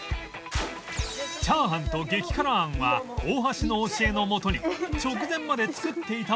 チャーハンと激辛あんは大橋の教えのもとに直前まで作っていたものを準備